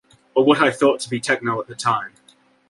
Or what I thought to be techno at the time.